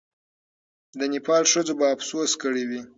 د نېپال ښځو به افسوس کړی وي.